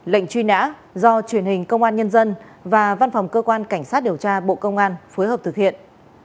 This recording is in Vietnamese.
lệnh truy nã do truyền hình công an nhân dân và văn phòng cơ quan cảnh sát điều tra bộ công an phối hợp thực hiện